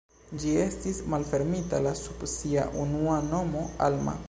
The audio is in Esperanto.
Ĝi estis malfermita la sub sia unua nomo Alma.